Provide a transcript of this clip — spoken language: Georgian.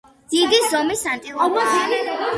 დიდი ზომის ანტილოპაა.